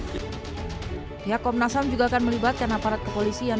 pihak komnas ham juga akan melibatkan aparat kepolisian